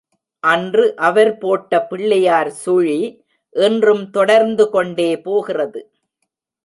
அன்று அவர் போட்ட பிள்ளையார் சுழி இன்றும் தொடர்ந்துகொண்டே போகிறது.